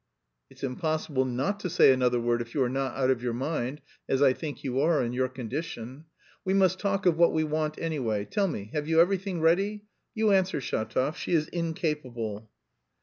"It's impossible not to say another word, if you are not out of your mind, as I think you are in your condition. We must talk of what we want, anyway: tell me, have you anything ready? You answer, Shatov, she is incapable."